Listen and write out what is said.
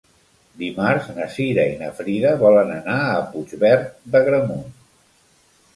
Dimarts na Cira i na Frida volen anar a Puigverd d'Agramunt.